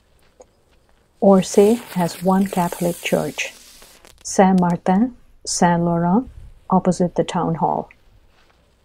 Orsay has one Catholic church: Saint-Martin - Saint-Laurent, opposite the town hall.